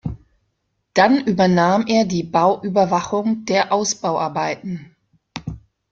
Dann übernahm er die Bauüberwachung der Ausbauarbeiten.